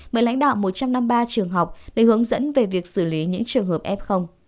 với lãnh đạo một trăm năm mươi ba trường học để hướng dẫn về việc xử lý những trường hợp f